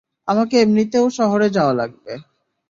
আমাকে এমনিতেও শহরে যাওয়া লাগবে।